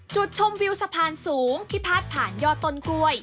จุดชมวิวสะพานสูงที่พาดผ่านยอดต้นกล้วย